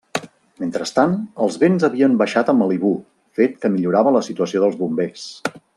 Mentrestant, els vents havien baixat a Malibú, fet que millorava la situació dels bombers.